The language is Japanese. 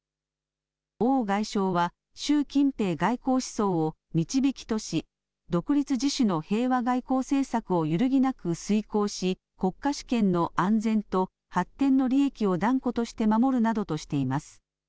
王外相は習近平外交思想を導きとし独立自主の平和外交政策を揺るぎなく遂行し、国家試験の安全と発展の利益を断固として守るなどとしています。